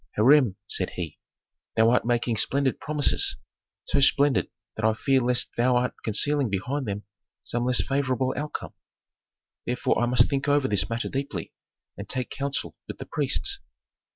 "Hiram," said he, "thou art making splendid promises. So splendid that I fear lest thou art concealing behind them some less favorable outcome. Therefore I must think over this matter deeply and take counsel with the priests."